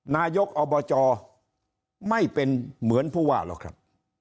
นายกอบจไม่เป็นเหมือนผู้ว่าหรอกครับ